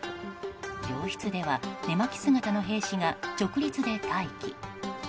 病室では、寝間着姿の兵士が直立で待機。